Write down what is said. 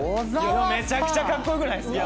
めちゃくちゃカッコ良くないですか。